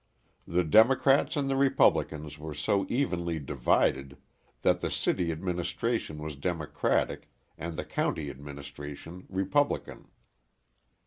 The Democrats and the Republicans were so evenly divided that the city administration was Democratic and the county administration Republican.